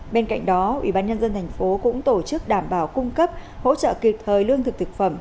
bên cạnh đó ủy ban nhân dân tp hcm cũng tổ chức đảm bảo cung cấp hỗ trợ kịp thời lương thực thực phẩm